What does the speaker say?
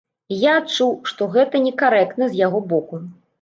І я адчуў, што гэта некарэктна з яго боку.